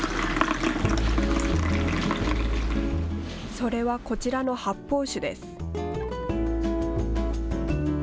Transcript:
それはこちらの発泡酒です。